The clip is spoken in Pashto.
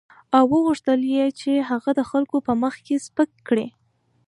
او وغوښتل یې چې هغه د خلکو په مخ کې سپک کړي.